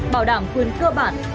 bảo đảm quyền cơ bản